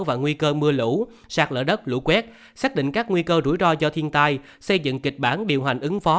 và nguy cơ mưa lũ sạt lỡ đất lũ quét xác định các nguy cơ rủi ro do thiên tai xây dựng kịch bản điều hành ứng phó